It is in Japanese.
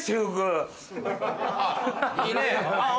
いいね！